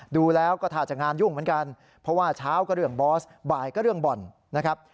ดูแล้วก็ท่าจะงานยุ่งเหมือนกันเพราะว่าเช้าก็เรื่องบอสบ่ายก็เรื่องบ่อนนะครับ